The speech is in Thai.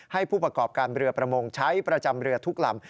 ผู้ประกอบการเรือประมงใช้ประจำเรือทุกลำ